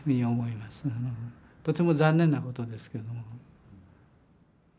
とても残念なことですけども。